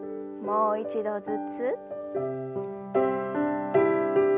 もう一度ずつ。